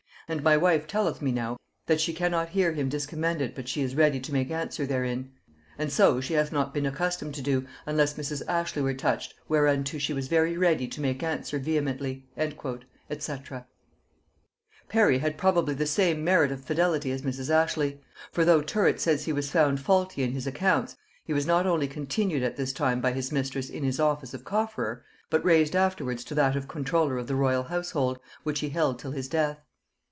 And my wife telleth me now, that she cannot hear him discommended but she is ready to make answer therein; and so she hath not been accustomed to do, unless Mrs. Ashley were touched, whereunto she was very ready to make answer vehemently." &c. [Note 11: For the original documents relative to this affair see Burleigh Papers by Haynes, passim.] Parry had probably the same merit of fidelity as Mrs. Ashley; for though Tyrwhitt says he was found faulty in his accounts, he was not only continued at this time by his mistress in his office of cofferer, but raised afterwards to that of comptroller of the royal household, which he held till his death.